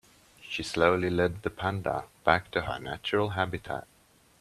She slowly led the panda back to her natural habitat.